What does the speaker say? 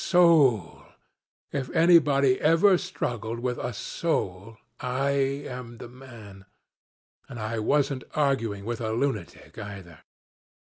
Soul! If anybody had ever struggled with a soul, I am the man. And I wasn't arguing with a lunatic either.